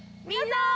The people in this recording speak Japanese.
みんな！